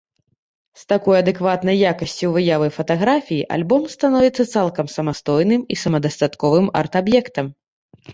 З такой адэкватнай якасцю выявы фатаграфій альбом становіцца цалкам самастойным і самадастатковым арт-аб'ектам.